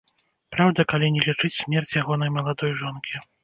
Праўда, калі не лічыць смерць ягонай маладой жонкі.